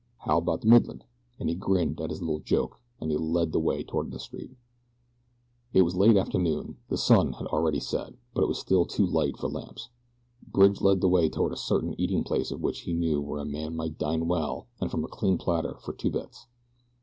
How about the Midland?" and he grinned at his little joke as he led the way toward the street. It was late afternoon. The sun already had set; but it still was too light for lamps. Bridge led the way toward a certain eating place of which he knew where a man might dine well and from a clean platter for two bits.